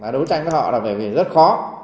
đối tranh với họ là bởi vì rất khó